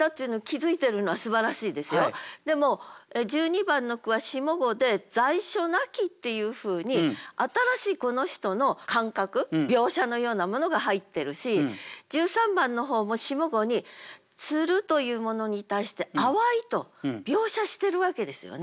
でも１２番の句は下五で「在所無き」っていうふうに新しいこの人の感覚描写のようなものが入ってるし１３番の方も下五に「つる」というものに対して「淡い」と描写してるわけですよね。